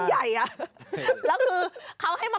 เซอร์มันใหญ่อ่ะ